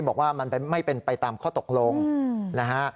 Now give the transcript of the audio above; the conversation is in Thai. บอกว่ามันไม่เป็นไปตามข้อตกลงนะฮะ